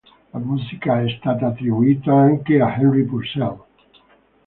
La musica è stata attribuita anche a Henry Purcell.